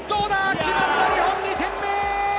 決まった日本、２点目！